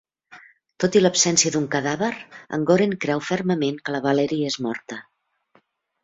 Tot i l'absència d'un cadàver, en Goren creu fermament que la Valerie està morta.